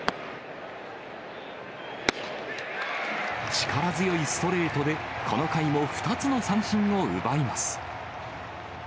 力強いストレートで、この回も２つの三振を奪います。